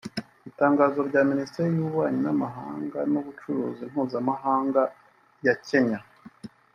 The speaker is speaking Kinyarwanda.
Itangazo rya Minisiteri y’Ububanyi n’Amahanga n’Ubucuruzi Mpuzamahanga ya Kenya